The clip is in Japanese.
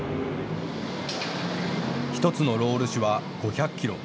１つのロール紙は５００キロ。